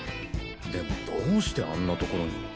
でもどうしてあんな所に。